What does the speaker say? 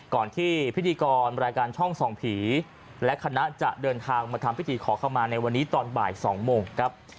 ก่อนที่พิธีกรรายการช่องส่องผีและคณะจะเดินทางมาทำพิธีขอเข้ามาในวันนี้ตอนบ่าย๒โมงครับ